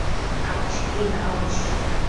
Ouch, Gil, ouch.